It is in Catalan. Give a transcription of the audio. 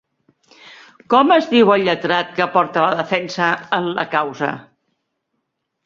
Com es diu el lletrat que porta la defensa en la causa?